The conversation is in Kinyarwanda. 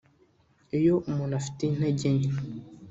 Iyo umuntu afite intege nke